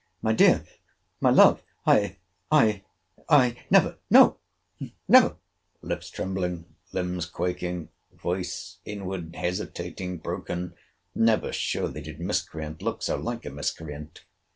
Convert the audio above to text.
My dear—my love—I—I—I never—no never—lips trembling, limbs quaking, voice inward, hesitating, broken—never surely did miscreant look so like a miscreant!